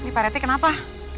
ini pak rete kenapa